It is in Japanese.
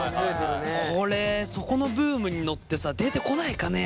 これそこのブームに乗ってさ出てこないかね。